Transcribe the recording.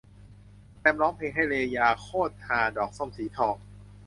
แสตมป์ร้องเพลงให้ "เรยา" โคตรฮา ! ดอกส้มสีทอง